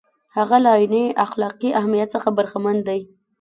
هغه له عیني اخلاقي اهمیت څخه برخمن دی.